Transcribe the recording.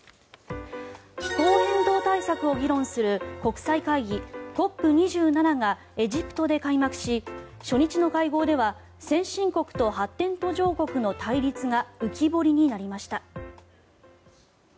気候変動対策を議論する国際会議、ＣＯＰ２７がエジプトで開幕し初日の会合では先進国と発展途上国の対立が浮き彫りになりました。